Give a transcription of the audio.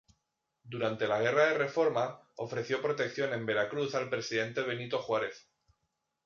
Durante la Guerra de Reforma, ofreció protección en Veracruz al presidente Benito Juárez.